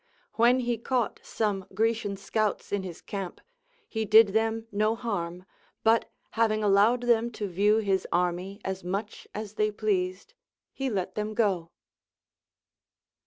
AVhen he caught some Grecian scouts in his camp, he did them no harm, but having allowed them to A^ew his army as much as they pleased, he let them go.